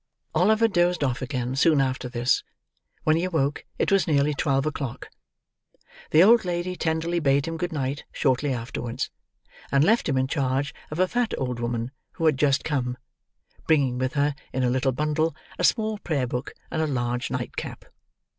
Oliver dozed off again, soon after this; when he awoke, it was nearly twelve o'clock. The old lady tenderly bade him good night shortly afterwards, and left him in charge of a fat old woman who had just come: bringing with her, in a little bundle, a small Prayer Book and a large nightcap.